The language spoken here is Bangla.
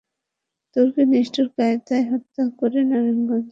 ত্বকীকে নিষ্ঠুর কায়দায় হত্যা করে নারায়ণগঞ্জেরই শীতলক্ষ্যা নদীর সোঁতায় ফেলে রাখা হয়েছিল।